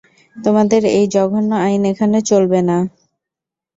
তোমাদের এই জঘন্য আইন এখানে চলবে না।